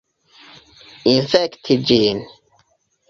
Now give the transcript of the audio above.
Infekti ĝin!